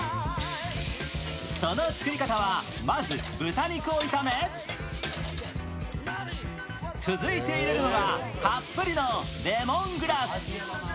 その作り方は、まず豚肉を炒め、続いて入れるのがたっぷりのレモングラス。